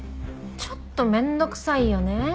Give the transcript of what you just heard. ちょっと面倒くさいよね。